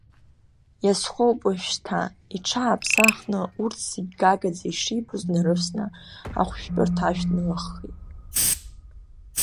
Иазхоуп уажәшьҭа иҽааԥсахны, урҭ зегьы гагаӡа ишибоз, днарывсны, ахәшәтәырҭа ашә днылаххит.